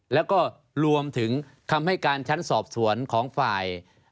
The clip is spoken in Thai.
แล้วก็รวมถึงคำให้การชั้นสอบสวนของฝ่าย